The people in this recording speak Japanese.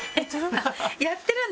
やってるんだ。